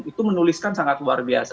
itu menuliskan sangat luar biasa